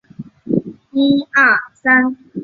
要塞外的莫卧尔大篷车道亦建于这一时期。